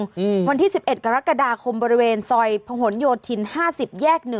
อืมวันที่๑๑กรกฎาคมบริเวณซอยผนโยชน์ถิ่น๕๐แยก๑